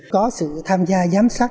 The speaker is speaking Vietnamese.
có sự tham gia giám sát